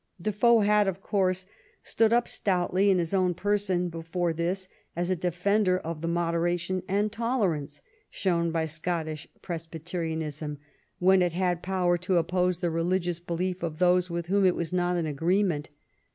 Defoe had, of course, stood up stoutly in his own person before this as a defender of the moderation and tolerance shown by Scottish Presby terianism when it had power to oppress the religious belief of those with whom it was not in agreement.